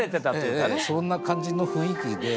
そんな感じの雰囲気で。